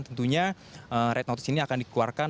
tentunya red notice ini akan dikeluarkan